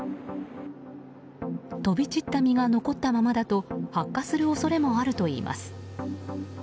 飛び散った実が残ったままだと発火する恐れもあるといいます。